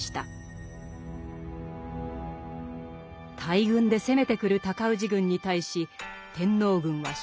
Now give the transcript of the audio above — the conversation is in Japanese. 大軍で攻めてくる尊氏軍に対し天皇軍は少数。